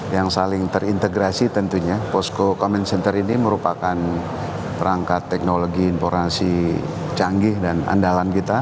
yang saling terintegrasi tentunya posko common center ini merupakan perangkat teknologi informasi canggih dan andalan kita